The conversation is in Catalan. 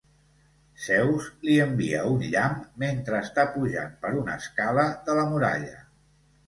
Zeus li envia un llamp mentre està pujant per una escala de la muralla.